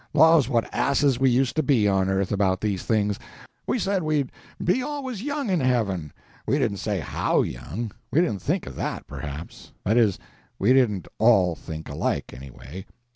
Laws, what asses we used to be, on earth, about these things! We said we'd be always young in heaven. We didn't say how young—we didn't think of that, perhaps—that is, we didn't all think alike, anyway.